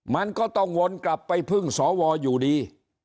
มันก็ต้องวนกลับไปพึ่งสวอยู่ดี